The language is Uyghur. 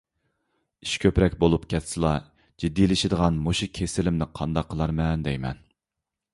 ئىش كۆپرەك بولۇپ كەتسىلا جىددىيلىشىدىغان مۇشۇ كېسىلىمنى قانداق قىلارمەن دەيمەن؟